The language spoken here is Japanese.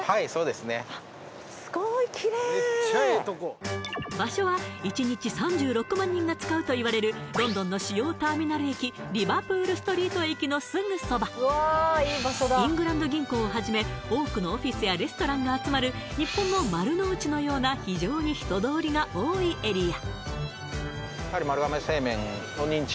すごい綺麗場所は１日３６万人が使うといわれるロンドンの主要ターミナル駅イングランド銀行をはじめ多くのオフィスやレストランが集まる日本の丸の内のような非常に人通りが多いエリア